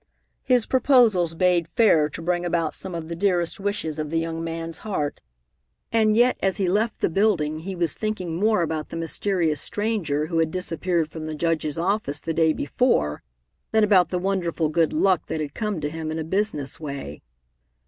His proposals bade fair to bring about some of the dearest wishes of the young man's heart, and yet as he left the building he was thinking more about the mysterious stranger who had disappeared from the Judge's office the day before than about the wonderful good luck that had come to him in a business way.